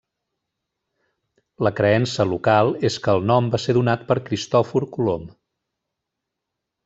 La creença local és que el nom va ser donat per Cristòfor Colom.